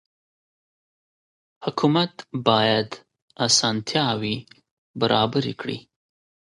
حکومت بايد اسانتياوي برابري کړي.